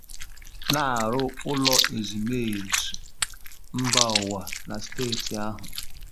na-arụ ụlọ ezumeezu mba ụwa na steeti ahụ